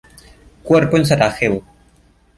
Cuerpo en Sarajevo.